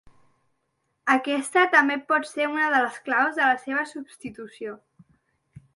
Aquesta també pot ser una de les claus de la seva substitució.